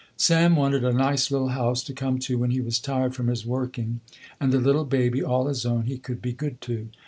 Sam wanted a nice little house to come to when he was tired from his working, and a little baby all his own he could be good to.